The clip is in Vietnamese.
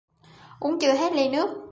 Uống chưa hết ly nước